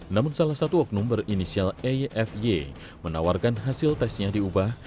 namun salah satu oknum berinisial eyfy menawarkan hasil tesnya diubah